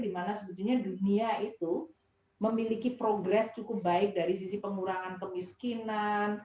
dimana sebetulnya dunia itu memiliki progres cukup baik dari sisi pengurangan kemiskinan